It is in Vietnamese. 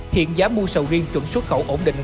hiện giá mua sầu riêng chuẩn xuất khẩu ổn định